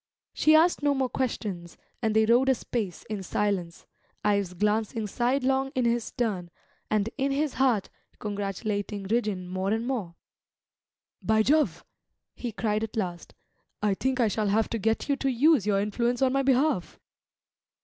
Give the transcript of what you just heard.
She asked no more questions, and they rode a space in silence, Ives glancing sidelong in his turn, and in his heart congratulating Rigden more and more. "By Jove," he cried at last, "I think I shall have to get you to use your influence on my behalf!"